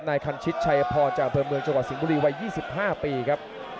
คันชิตชัยพรจากอำเภอเมืองจังหวัดสิงห์บุรีวัย๒๕ปีครับ